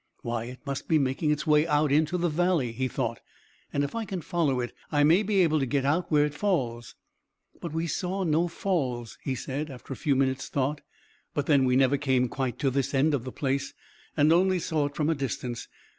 "Why, it must be making its way out into the valley," he thought, "and if I can follow it I may be able to get out where it falls. "But we saw no falls," he said, after a few minutes' thought; "but then we never came quite to this end of the place, and only saw it from a distance.